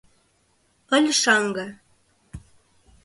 Ыле шаҥге